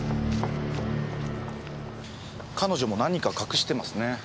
彼女も何か隠してますね。